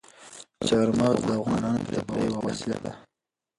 چار مغز د افغانانو د تفریح یوه وسیله ده.